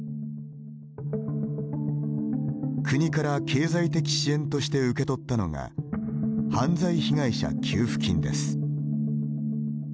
国から経済的支援として受け取ったのが「犯罪被害者給付金」です。